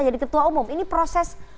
jadi ketua umum ini proses